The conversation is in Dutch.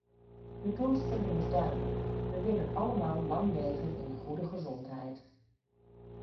De doelstelling is duidelijk: we willen allemaal lang leven in goede gezondheid.